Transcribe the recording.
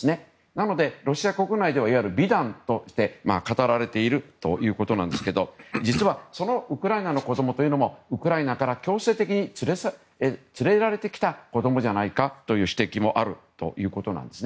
なので、ロシア国内ではいわゆる美談として語られているそうですが実は、そのウクライナの子供もウクライナから強制的に連れられてきた子供じゃないかという指摘もあるということです。